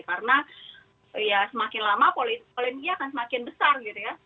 karena ya semakin lama polemiknya akan semakin besar gitu ya